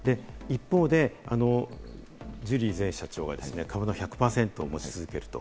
一方でジュリー前社長が株を１００％持ち続ける。